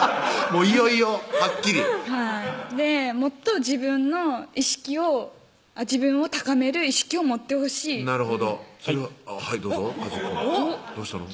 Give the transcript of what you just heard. もういよいよはっきりはいもっと自分の意識を自分を高める意識を持ってほしいなるほどはいどうぞ一紀くんどうしたの？